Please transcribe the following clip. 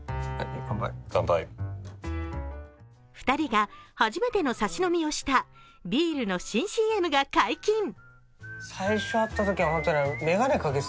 ２人が初めてのサシ飲みをしたビールの新ＣＭが解禁。